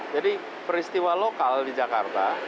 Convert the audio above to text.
jadi peristiwa lokal di jakarta